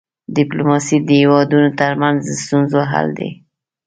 ډيپلوماسي د هيوادونو ترمنځ د ستونزو حل دی.